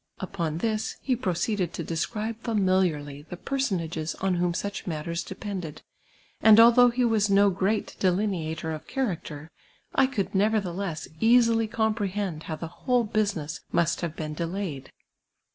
Upon this he proceeded to describe familiarly the personai^es on whom such matters de pended, and althou«;h he was no preat delineator of character, I coidd nevertheless easily com})rehend how the whole busi ness must have been delayed.